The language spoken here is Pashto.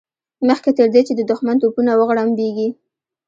مخکې تر دې چې د دښمن توپونه وغړمبېږي.